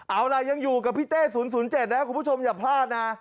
เอาล่ะยังอยู่กับพี่เต้๐๐๗นะคุณผู้ชมอย่าพลาดนะ